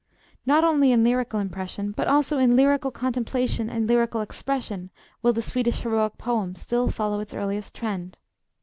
Not only in lyrical impression, but also in lyrical contemplation and lyrical expression, will the Swedish heroic poem still follow its earliest trend.